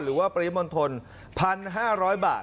หรือว่าปริมณฑล๑๕๐๐บาท